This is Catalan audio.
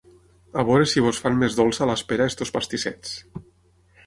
A vore si vos fan més dolça l’espera estos pastissets.